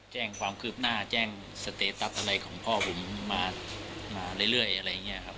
แจ้งความคืบหน้าแจ้งสเตตัพอะไรของพ่อผมมาเรื่อย